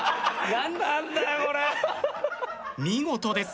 見事です。